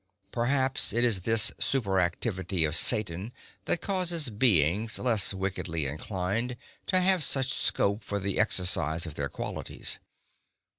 Perhaps it is this superactivity of Satan that causes beings less wickedly inclined to have such scope for the exercise of their qualities.